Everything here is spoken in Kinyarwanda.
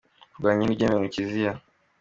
Kuryana ntibyemewe mu Kiliziya